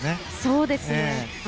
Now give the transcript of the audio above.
そうですね。